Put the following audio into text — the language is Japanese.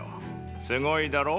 すごいだろう？